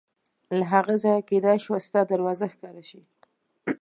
له هغه ځایه کېدای شوه ستا دروازه ښکاره شي.